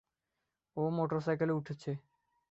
ও মোটরসাইকেলে উঠেছে।